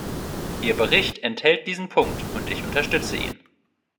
Ihr Bericht enthält diesen Punkt, und ich unterstütze ihn.